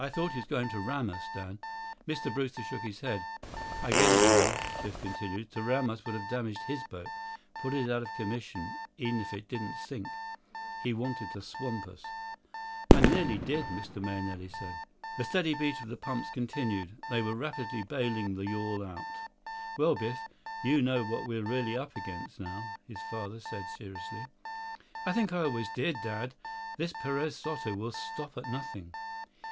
"I thought he was going to ram us, Dad." Mr. Brewster shook his head. "I get it now," Biff continued. "To ram us would have damaged his boat—put it out of commission, even if it didn't sink. He wanted to swamp us." "And nearly did!" Mr. Mahenili said. The steady beat of the pumps continued. They were rapidly bailing the yawl out. "Well, Biff, you know what we're really up against now," his father said seriously. "I think I always did, Dad. This Perez Soto will stop at nothing."